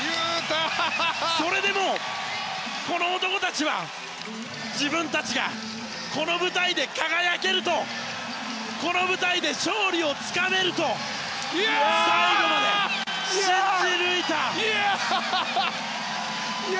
それでも、この男たちは自分たちがこの舞台で輝けるとこの舞台で勝利をつかめると最後まで信じ抜いた！